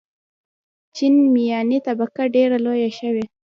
چین میاني طبقه ډېره لویه شوې.